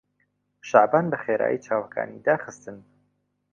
شەعبان بەخێرایی چاوەکانی داخستن.